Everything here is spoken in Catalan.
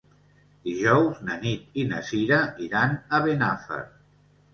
Dijous na Nit i na Cira iran a Benafer.